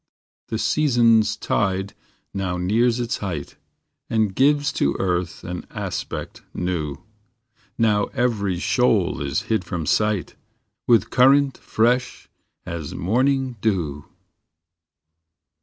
The season s tide now nears its height, And gives to earth an aspect new; Now every shoal is hid from sight, With current fresh as morning dew.